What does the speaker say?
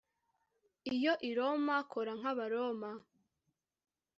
Iyo i Roma kora nkAbaroma